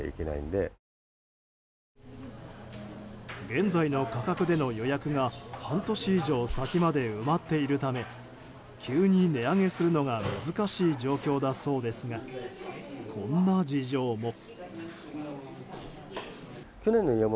現在の価格での予約が半年以上先まで埋まっているため急に値上げするのが難しい状況だそうですがこんな事情も。